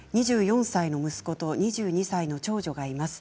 ２４歳の息子と２２歳の長女がいます。